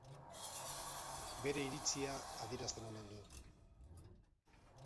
Bere iritzia adierazten omen du.